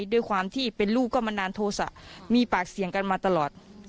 ด้วยความที่เป็นลูกก็มานานโทษะมีปากเสียงกันมาตลอด